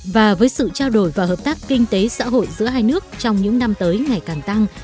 và với sự trao đổi và hợp tác kinh tế xã hội giữa hai nước trong những năm tới ngày càng tăng